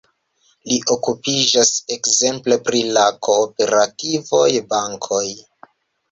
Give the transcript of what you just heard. Li okupiĝas ekzemple pri la kooperativoj, bankoj.